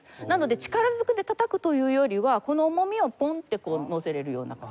なので力ずくでたたくというよりはこの重みをポンッてこうのせられるような。